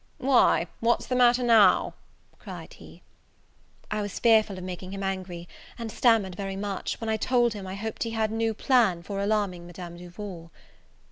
"Why, what's the matter now?" cried he. I was fearful of making him angry, and stammered very much, when I told him, I hoped he had no new plan for alarming Madame Duval.